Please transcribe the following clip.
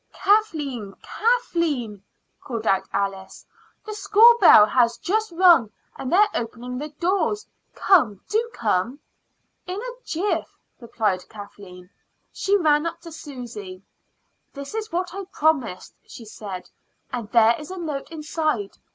"Kathleen, Kathleen!" called out Alice. "The school bell has just rung, and they are opening the doors. Come do come." "In a jiff," replied Kathleen. She ran up to Susy. "This is what I promised," she said; "and there is a note inside.